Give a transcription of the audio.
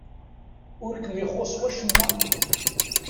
Ur kem-ixuṣṣ wacemma?